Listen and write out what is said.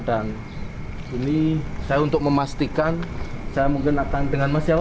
dan ini saya untuk memastikan saya mungkin akan dengan mas siapa mas